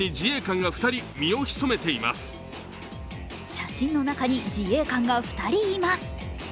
写真の中に自衛官が２人います。